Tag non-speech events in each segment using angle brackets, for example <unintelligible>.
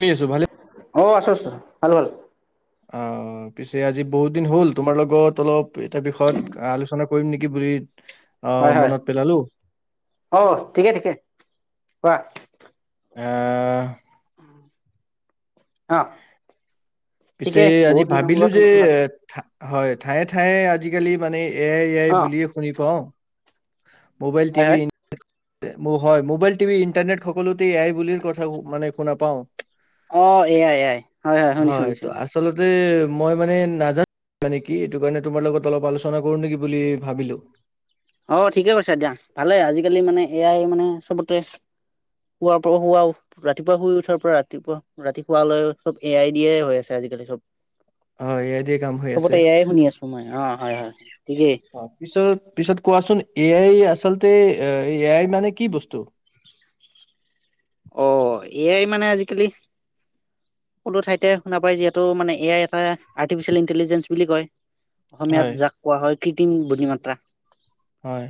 <unintelligible> আছো ভালে অ', আছোঁ-আছোঁ, ভাল-ভাল। অঁ, পিছে আজি বহুত দিন হ'ল তোমাৰ লগত অলপ এটা বিষয়ত আলোচনা কৰিম নেকি বুলি আহ হয়- হয়, মনত পেলালো অ', ঠিকে- ঠিকে, কোৱা। আ অঁ পিছে আজি ভাবিলো যে হয়, ঠায়ে- ঠায়ে আজিকালি মানে এ আই - এ আই অ বুলিয়ে শুনি পাওঁ। মোবাইল হয় টিভি হয় হয়, মোবাইল, টিভি, ইণ্টাৰনেট সকলোতে এ আই বুলিৰ কথা মানে শুনা পাওঁ। অ', এয়াই এয়াই হয়, হয় শুনিছোঁ, তো শুনিছোঁ শুনিছোঁ আচলতে মই মানে নাজানো মানে কি সেটো কাৰণে তোমাৰ লগত অলপ আলোচনা কৰো নেকি বুলি ভাবিলো অ', ঠিকে কৈছা দিয়া, ভালে আজিকালি মানে এ আই মানে চবতে শুৱাৰ পৰা শুৱাও ৰাতিপুৱা শুই উঠাৰ পৰা ৰাতিপুৱা ৰাতি শুৱালৈ চব এ আই দিয়ে হৈ আছে আজিকালি চব। হয় এ আই দিয়ে কাম হৈ চবতে এয়াই শুনি আছোঁ মই অ'। হয় হয় হয় ঠিকেই অ পিছত পিছত কোৱাচোন এ আই আচলতে এ এ আই মানে কি বস্তু অ', এ আই মানে আজিকালি সকলো ঠাইতে শুনা পায় যিহেতু মানে এ আই এটা আৰ্টিফিচিয়েল ইণ্টেলিজেঞ্চ বুলি কয়। অসমীয়াত হয় যাক কোৱা হয় কৃটিম বুদ্ধিমত্তা হয়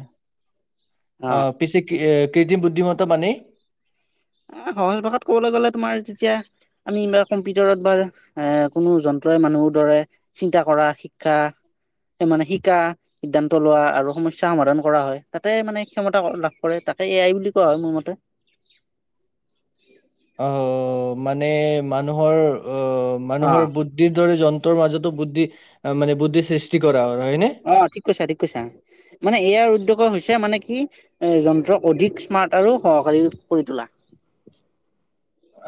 অ', আহ পিছে কি কৃত্ৰিম বুদ্ধিমতা মানে সহজ ভাষাত কবলৈ গলে তোমাৰ যেতিয়া আমি বা কম্পিউটাৰত বা এ কোনো যন্ত্ৰই মানুহৰ দৰে চিন্তা কৰা শিক্ষা মানে শিকা সিদ্ধান্ত লোৱা আৰু সমস্যা সমাধান কৰা হয় তাতে মানে ক্ষমতা লাভ কৰে তাকে এয়াই বুলি কোৱা হয় মোৰ মতে <inaudible> অ মানে মানুহৰ অ মানুহৰ অ', বুদ্ধিৰ দৰে জন- ন্ত্ৰ মাজতো বুদ্ধি মানে বুদ্ধি সৃষ্টি কৰা হয় হয়নে? অ ঠিক কৈছা ঠিক কৈছা মানে ইয়াৰ উদ্যোগ হৈছে মানে কি এ যন্ত্ৰ অধিক স্মাৰ্ট আৰু সহকাৰী কৰি তোলা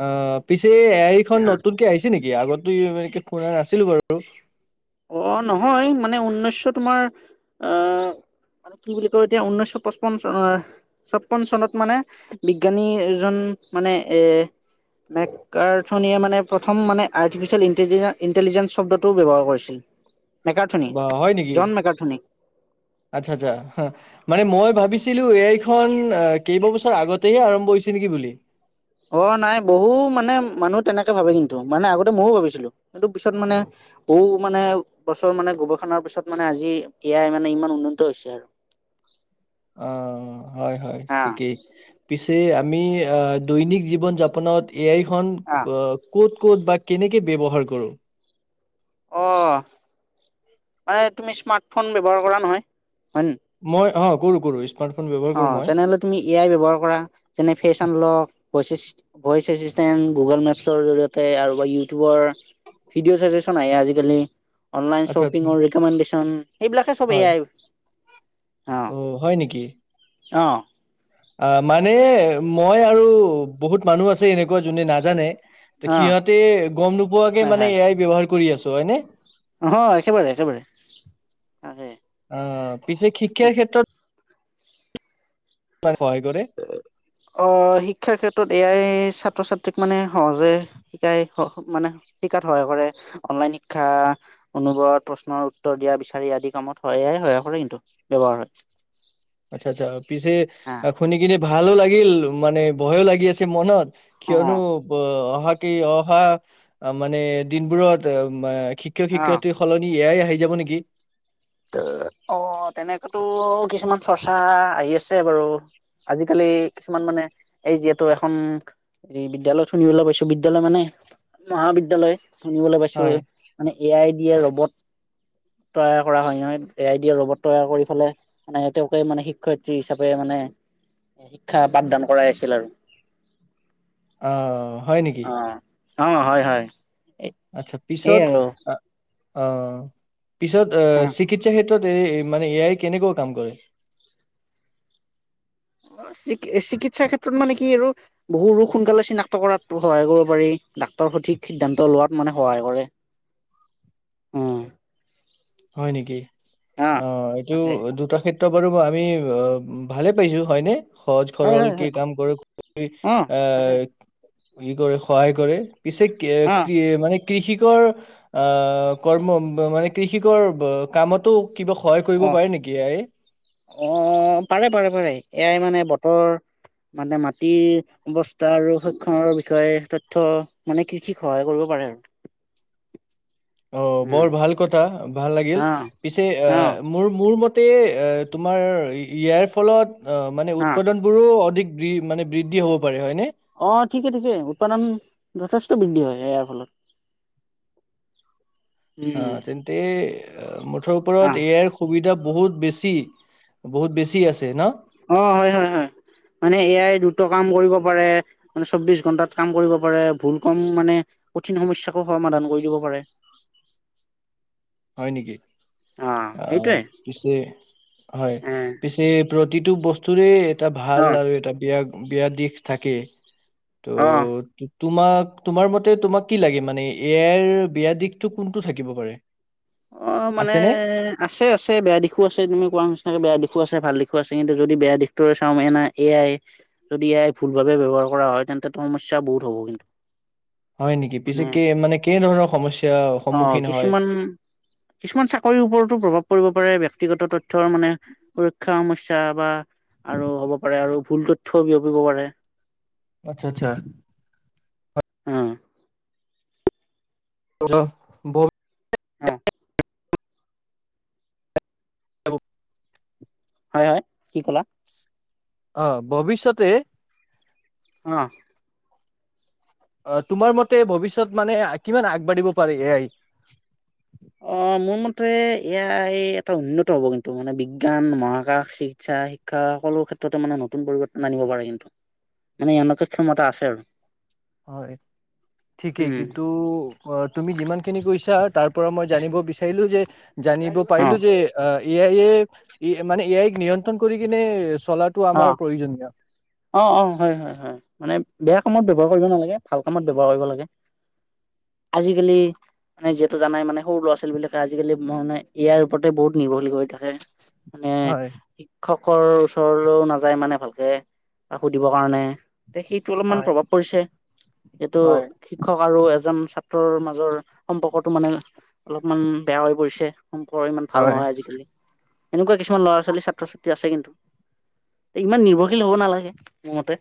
অ পিছ তে এ আই খন অ নতুনকে আহিছে নেকি আগত তুমি আমেৰিকাত পঢ়া নাছিলো বাৰু অ নহয় মানে ঊনৈছশ তোমাৰ আহ মানে কি বুলি কয় এতিয়া ঊনৈছশ পঁচপন্ন চ ছপন্ন চনত মানে বিজ্ঞানী এজন মানে এ মেকাৰথনিয়ে মানে প্ৰথম মানে আৰ্টিফিচিয়েল ইণ্টেলিজে ইণ্টেলিজেঞ্চ শব্দটোও ব্যৱহাৰ কৰিছিল। <inaudible> বা হয় নেকি জন মেকাৰ্থনী আচ্ছা আচ্ছা হা মানে মই ভাবিছো ছিলো এ আই খন কেইবাবছৰ আগতেহে আৰম্ভ হৈছে নেকি বুলি অ নাই বহু মানে মানুহ তেনেকে ভাবে কিন্তু মানে আগতে মইয়ো ভাবিছিলো কিন্তু পিছত মানে বহু মানে বছৰ মানে গৱেষণাৰ পিছত মানে আজি এয়াই মানে ইমান উন্নত হৈছে আৰু অ হয় হয় হা ঠিকেই পিছে আমি দৈনিক জীৱন যাপনত এই আই খন আহ ক কত ক'ত বা কেনেকে ব্যৱহাৰ কৰো অ মানে তুমি স্মাৰ্টফোন ব্যৱহাৰ কৰা নহয় হয় নে? মই আহক গৰু <unintelligible> অ তেনেহলে তুমি এ আই ব্যৱহাৰ কৰা যেনে ফেচন লক ভইচ এ ভইচ এচিচেণ্ট গুগল মেপছৰ জৰিয়তে আৰু বা ইউটিউবৰ ভিডিঅ' ছাচেচন আহে আজিকালি অনলাইন আচ্ছা আচ্ছা শ্বপিঙৰ ৰিকমেণ্ডেশ্যন সেইবিলাকে চব হয় এয়াই অ হয় নেকি অঁ অ মানে মই আৰু বহুত মানুহ আছে এনেকুৱা যোনে নাজানে ত অ সিহঁতে গম নোপোৱাকে মানে এ আই ব্যৱহাৰ কৰি আছে তয়নে অহ একেবাৰে একেবাৰে তাকে অ পিছে শিক্ষাৰ পাৰে অ শিক্ষাৰ ক্ষেত্ৰত এ আয়ে ছাত্ৰ ছাত্ৰীক মানে সহজে শিকাই মানে শিকাত সহায় কৰে অনলাইন শিক্ষা অনুবাদ প্ৰশ্নৰ উত্তৰ দিয়া বিচাৰি আদি কামত এ আয়ে সহায় কৰে কিন্তু ব্যৱহাৰ হয় আচ্ছা আচ্ছা পিছে হা শুনি কিনে ভালো লাগিল মানে ভয়ো লাগি আছে মনত কিয়নো অ' ব অহা বাকী অহা মানে দিনবোৰত উম এ শিক্ষক অ' শিক্ষয়িত্ৰী সলনি এ আই আহি যাব নেকি ত অ তেনেকাতো কিছুমান চৰ্চা আহি আছে বাৰু আজিকালি কিছুমান মানে এই যিহেতু এখন হেৰি বিদ্যালয় শুনিবলৈ পাইছো বিদ্যালয় মানে মহাবিদ্যালয় শুনিবলৈ পাইছোঁ হয় মানে এ আই ডি এৰ ৰবত প্ৰায় কৰা হয় নহয় এ আই দিয়া ৰবত তৈয়াৰ কৰি পেলে মানে তেওঁলোকে মানে শিক্ষয়িত্ৰী হিচাপে মানে শিক্ষা পাঠদান কৰাই আছিল আৰু আহ হয় নেকি অঁ হয় হয় আচ্ছা এই পিছত আৰু আ অ পিছত আ চিকিৎসা ক্ষেত্ৰত এ মানে এ আয়ে কেনেকুৱা কাম কৰে চি চিকিৎসাৰ ক্ষেত্ৰত মানে কি আৰু বহু ৰোগ সোনকালে চিনাক্ত কৰাত সহায় কৰিব পাৰি ডাক্তৰ সঠিক সিদ্ধান্ত লোৱাত মানে সহায় কৰে উম হয় নেকি অ এইটো তাকে দুটা ক্ষেত আমি ভালে পাইছোঁ হয়নে সহজ হয় সৰল হয় কি হয় কাম কৰে খ অ তাকে আহ ই কৰে সহায় কৰে পিছে কে অ কি মানে কৃষিকৰ আহ কৰ্ম মানে কৃষি কৃষিকৰ কামতো কিবা সহায় কৰিব অ পাৰে নেকি এ আই অ পাৰে পাৰে পাৰে এ আয়ে মানে বতৰ মানে মাটিৰ অৱস্থা আৰু সক্ষণৰ বিষয়ে তথ্য মানে কৃষিক সহায় কৰিব পাৰে আৰু অ উম, বৰ ভাল কথা। ভাল লাগিল অ পিছে অ মোৰ মোৰ মতে তে তোমাৰ ইয়াৰ ফলত অ মানে উৎপাদন বোৰো অধিক মানে বৃদ্ধি হ'ব পাৰে হয়নে? অ ঠিকে ঠিকে উৎপাদন যথেষ্ট বৃদ্ধি হয়। এয়াৰ ফলত। অ উম তেন্ত অ মোৰ অ ওপৰত এ আই সুবিধা বহুত বেছি বহুত বেছি আছে ন।? অ হয় হয় হয় মানে এ আই দ্ৰুত কাম কৰিব পাৰে মানে চৌবিচ ঘন্টাত কাম কৰিব পাৰে, ভুল কম মানে কঠিন সমস্যাকো সমাধান কৰি দিব পাৰে। হয় নেকি অ পিছে হয় এ পিছেবোৰত প্ৰতিটো বস্তুৰে এটা ভাল অ আৰু এটা বেয়া বেয়া দিশ থাকে। ত। অ তোমাক, তোমাৰ মতে তোমাক কি লাগে মানে, এ এই ৰ বেয়া দিশটো কোনটো থাকিব পাৰে? অ' মানে, আছেনে আছে আছে, বেয়া দিশো আছে তুমি কোৱা নিচিনাকে, বেয়া দিশ যোৱা চোৱা ভাল দিশো আছে কিন্তু যদি বেয়া দিশটোৰে চাওঁ এ ন এয়াই যদি এ আই ভুল ভাবেে ব্যৱহাৰ কৰা হয় তেন্তে সমস্যা বহুত হব কিন্তু। হয় নেকি পিছে মানে ক মানে কেই ধৰণৰ সমস্যাৰ অ' সন্মুখীন হয় কিছুমান কিছুমান চাকৰিৰ ওপৰতো প্ৰভাৱ পৰিব পাৰে ব্যক্তিগত তথ্যই মানে সুৰক্ষা সমস্যা বা আৰু হ'ব পাৰে আৰু ভুল তথ্যও বিয়পিব পাৰে। আচ্ছা আচ্ছা। অ। <unintelligible> অ। হব। হে কি কলা? অ ভৱিষ্যতে অ। অ', তোমাৰ মতে ভৱিষ্যত মানে কিমান আগবাঢ়িব পাৰে এ আই? আহ মোৰ মতে এয়াই এটা উন্নত হব কিন্তু মানে বিজ্ঞান মহাকাশ চিকিৎসা শিক্ষা সকলো ক্ষেত্ৰতে মানে নতুন পৰিৱৰ্তন আনিব পাৰে কিন্তু মানে এনকে ক্ষমতা আছে আৰু। হয় ঠিকেই উম কিন্তু তুমি যিমান খিনি কৈছা তাৰ পৰা মই জানিব বিচাৰো <unintelligible> যে জানিব অ পাৰিলো যে এ আই এ মানে এ আইক নিয়ন্ত্ৰণ কঁৰি কেনে অ', অ' অ', হয় হয় হয়, মানে বেয়া কামত ব্যৱহাৰ কৰিব নালাগে, ভাল কামত ব্যৱহাৰ কৰিব লাগে। আজিকালি, মানে যিহেতু জানাই মানে সৰু ল'ৰা-ছোৱালী বিলাকে আজিকালি ম মানে এ আই ৰ ওপৰতে বহুত নিৰ্ভশীল কৰি থাকে মানে হয়, শিক্ষক- কৰ ওচৰ- ও নাযায় মানে ভালকে বা সুধিবৰ কাৰণে এ সেইটো অলপমান হয়, প্ৰভাৱ পৰিছে সেইটো হয়, শিক্ষক আৰু এজন ছাত্ৰ ৰ মাজৰ সম্পৰ্কতটো মানে অলপমান বেয়া হৈ পৰিছে। সংকৰ ইমান ভাল নহয় আজিকালি। এনেকুৱা কিছুমান ল'ৰা ছোৱালী ছাত্ৰ ছাত্ৰী আছে, কিন্তু ইমান নিৰ্ভৰশীল হব নালাগে মোৰ মতে।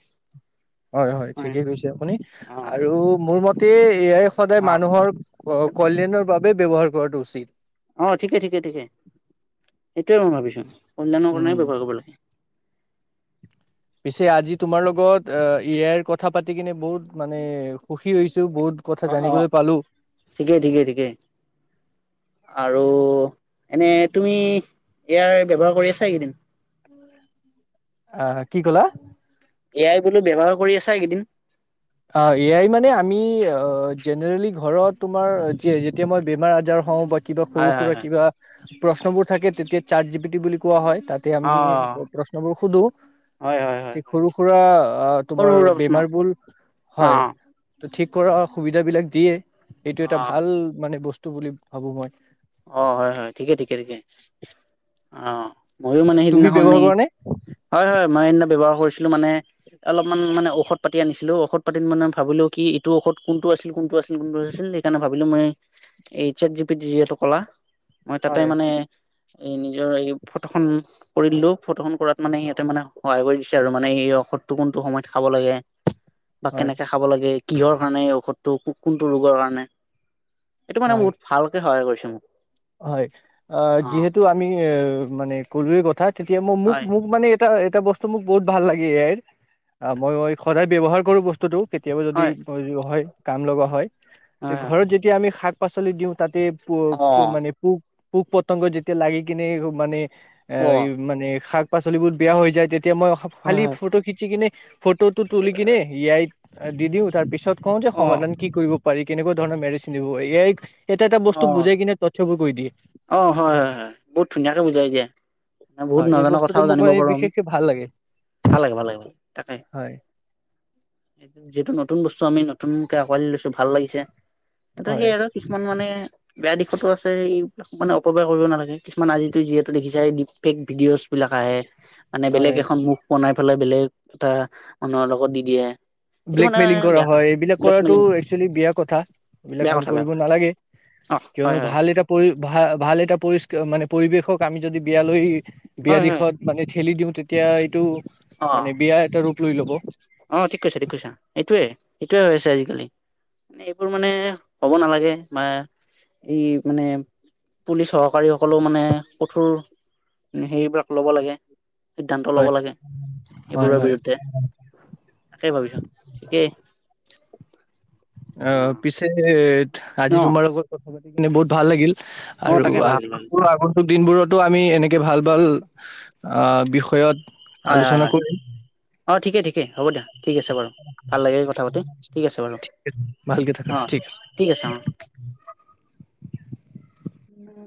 হয় হয় ঠিকে কৈছে আপুনি অ আৰু মোৰ মতে তে এয়াই সদায় অ মানুহৰ অ কল্যানৰ বাবে ব্যৱহাৰ কৰাটো উচিত। অ', ঠিকেই ঠিকেই ঠিকেই, সেইটোৱে মই ভাবিছো। কল্যাণৰ উম, কাৰণে ব্যৱহাৰ কৰিব লাগে। পিছে আজি তোমাৰ লগত অ এ আই কথা পাতি কেনে বহুত মানে সুখী হৈছোঁ। অ অ ঠিকেই ঠিকেই ঠিকেই আৰু এনে তুমি এয়াৰ ব্যৱহাৰ কৰি আছা এই কেইদিন। আহ কি কলা? এ আই বোলো ব্যৱহাৰ কৰি আছা এইকেইদিন। অ এয়াই মানে আমি জেনেৰেলি ঘৰত তোমাৰ যেতিয়া মই বেমাৰ আজাৰ হওঁ বা। কিবা হয় সৰু হয় সুৰা হয় কিবা প্ৰশ্নবোৰ থাকে তেতিয়া চাত জি পি টি বুলি কোৱা হয়। তাতে আমি অ প্ৰশ্নবোৰ সোধো হয় হয় যে হয় হয় সৰু সুৰা তোমাৰ সৰু সুৰা প্ৰশ্ন বেমাৰবোৰ। অ। তো ঠিক কৰা সুবিধাবিলাক দিয়ে- এইটো এটা অ ভাল মানে বস্তু। টো বুলি ভাবো মই। অ হয় হয় ঠিকে ঠিকে ঠিকে অ। ময়ো মানে তুমি সেইদিনাখননে ব্যৱহাৰ কৰা নে হয় হয় মই সেইদিনা ব্যৱহাৰ কৰিছিলো মানে অলপমান মানে ঔষধ পাতি আনিছিলো ঔষধ পাতিত মানে ভাবিলো কি এইটো ঔষধ কোনটো আছিল কোনটো আছিল - কোনটো আছিল সেইকাৰণে ভাবিলোঁ মই- এই চাত জিপিতি যিহেতু কলা মই তাতে হয় মানে- এই নিজৰ এই ফটোখন কৰি দিলো ফটোখনন কৰাত মানে সিহঁতে মানে সহায় কৰি দিছে আৰু মানে এই ঔষধটো কোনটো সময়ত খাব লাগে। বা হয় কেনেকে খাব লাগে কিহৰ কাৰণে এই ঔষধটো কোনটো ৰোগৰ কাৰণে এইটো মানে হয় বহুত ভালকে সহায় কৰিছে উম হয় আহ যিহেতু আমি এ মানে কলো কথা তেতিয়া মই হয় মোক-মোক মানে এটা এটা বস্তু মোক বহুত ভাল লাগে ইয়াই আহ মই মই সদায় ব্যৱহাৰ কৰো বস্তুতোক কেতিয়াবা যদি হয় হয় কাম লগা হয়। টো হয় হয় ঘৰত হয় যেতিয়া আমি শাক- শাক পাচলি দিওঁ তাতে প অ ক মানে পু পোক পতংগ যেতিয়া লাগি কিনে মানে এ অ মানে শাক ছোৱালীবোৰ বেয়া হৈ যায় তেতিয়া। এতিয়া মই হয় খালি হয় ফটো খিচি কিনে ফটোটো তুলি কিনে এ আই ত দি দিও তাৰ পিছত কওঁ যে সমাধান কি কৰিব পাৰি কেনেকুৱা ধৰণৰ মেডিচিন দিব এয়াৰ এটা এটা বস্তু অ অ বুজাই কিনে- <unintelligible> কৰি দিয়ে। অ হয় হয় হয় বহুত ধুনীয়াকে বুজাই এ দিয়ে মানে বহুত হয় এই নজাননা বস্তুটো কথাও মোক জানিব মানে পাৰো আমি বিশেষকে ভাল লাগে ভাল লাগে ভাল লাগোল তাকে হয় যিহেতু নতুন বস্তু আমি নতুন। লৈছো ভাল লাগিছে। এয়া হয় সেই আৰু কিছুমান মানে বেয়া দিখি- ফটো আছে সেই মানে অপব্যয় কৰিব নালাগে কিছুমান আজিতো যিহেতু দেখিছোই ডিপ ফেক ভিডিঅ'চবিলাক আহে। মানে বেলেগ হয় এখন মুখ বনাই ফালে বেলেগ এটা মানুহৰ লগত দি দিয়ে। সেইটো মানে ব্লেকমেইলিং কৰা বেয়া কাম হয় এইবিলাক কৰাতো ব্লেকমেইলিং একচুৱেলি বেয়া কথা এইবিলাক বেয়া আমি কথা বেয়া কৰিব কথা নালাগে অ হয় কিয়নো হয় ভাল এটা পৰি ভাল ভাল এটা পৰিষ্কাৰ মানে পৰিৱেশক আমি যদি বিয়ালৈ বিয়া হয় হয় দিশত মানে খেলি দিওঁ তেতিয়া এইটো অ মানে বিয়া এটা ৰূপ লৈ লব এইটোৱে এইটোৱে হৈ আছে আজিকালি এইবোৰ মানে হব নালাগে বা এই মানে পুলিচ সহকাৰী সকলেও মানে কঠোৰ সেইবিলাক ল'ব লাগে। সিদ্ধান্ত ল'ব লাগে হয় এইবোৰৰ হয় বিৰুদ্ধে তাকে ভাবিছো। কে অ পিছে আজি অ তোমাৰ লগত কথা পাতো বহুত ভাল লাগিল অ আৰু তাকে ভাল আ লাগিল ভাল লাগিল আগন্তুক দিনবোৰত এইটো আমি এনেকে ভাল ভাল আ বিষয়ত আলোচনা কৰিম অঁ ঠিকে ঠিকেই হব দিয়া। ঠিক আছে বাৰু ভাল লাগে কথা পাতি ঠিক আছে বাৰু অঁ ঠিক আছে অঁ। উম